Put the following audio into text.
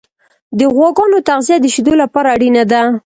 د غواګانو تغذیه د شیدو لپاره اړینه ده.